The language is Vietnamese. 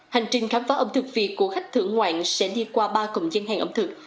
hành trình khám phá ẩm thực việt của khách thưởng ngoạn sẽ đi qua ba cổng gian hàng ẩm thực